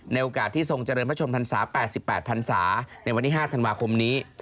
โอกาสที่ทรงเจริญพระชนพรรษา๘๘พันศาในวันที่๕ธันวาคมนี้